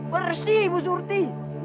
bersih ibu surti